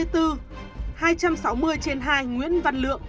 hai trăm sáu mươi trên hai nguyễn văn lượng